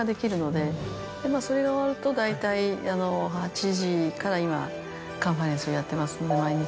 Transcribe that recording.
それが終わると大体８時から今カンファレンスをやっています毎日。